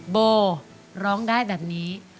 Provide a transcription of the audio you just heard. โบร้องได้แบบนี้